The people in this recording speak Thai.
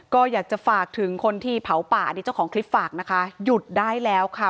ก็อยากจะฝากถึงคนที่เผาป่าอันนี้เจ้าของคลิปฝากนะคะหยุดได้แล้วค่ะ